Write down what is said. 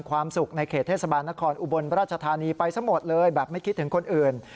ความสุขในเขตเทศบาลนครอุบลราชธานีไปซะหมดเลยแบบไม่คิดถึงคนอื่น